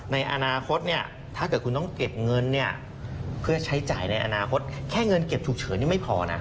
ในอนาคตถ้าเกิดคุณต้องเก็บเงินแค่เงินเก็บฉุกเฉอเนี่ยไม่พอนะ